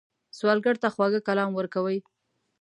سوالګر ته خواږه کلام ورکوئ